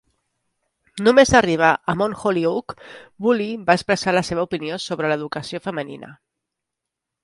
Només arribar a Mount Holyoke, Woolley va expressar la seva opinió sobre l'educació femenina.